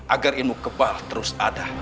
agar ilmu kebal terus ada